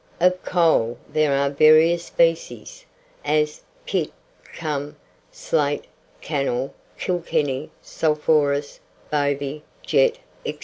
Of coal there are various species; as, pit, culm, slate, cannel, Kilkenny, sulphurous, bovey, jet, &c.